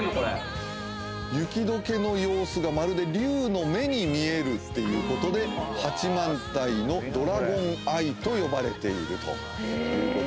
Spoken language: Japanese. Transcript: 雪解けの様子がまるで竜の目に見えるっていうことで八幡平のドラゴンアイと呼ばれていると。